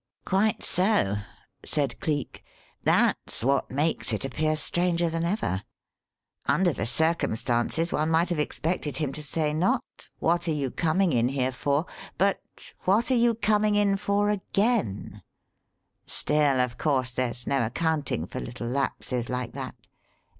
"Quite so," said Cleek. "That's what makes it appear stranger than ever. Under the circumstances one might have expected him to say not 'What are you coming in here for,' but, 'What are you coming in for again.' Still, of course, there's no accounting for little lapses like that.